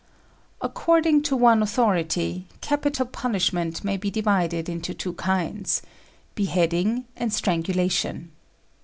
According to one authority, capital punishment may be divided into two kinds beheading and strangulation.